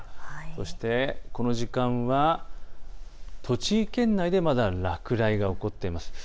そしてこの時間は栃木県内でまだ落雷が起こっています。